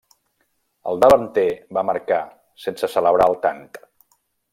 El davanter va marcar, sense celebrar el tant.